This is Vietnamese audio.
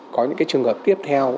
có những trường hợp tiếp theo